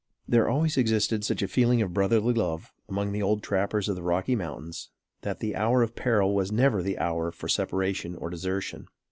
There always existed such a feeling of brotherly love among the old trappers of the Rocky Mountains, that the hour of peril was never the hour for separation or desertion.